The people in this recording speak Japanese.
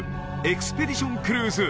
エクスペディションクルーズ